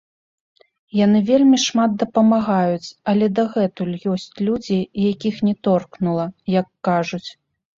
Яны вельмі шмат дапамагаюць, але дагэтуль ёсць людзі, якіх не торкнула, як кажуць.